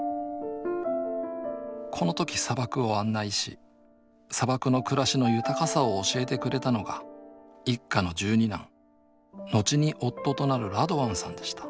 この時砂漠を案内し砂漠の暮らしの豊かさを教えてくれたのが一家の十二男後に夫となるラドワンさんでした